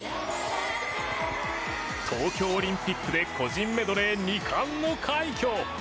東京オリンピックで個人メドレー２冠の快挙。